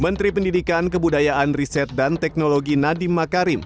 menteri pendidikan kebudayaan riset dan teknologi nadiem makarim